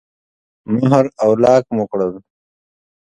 مهر او لاک مو کړل.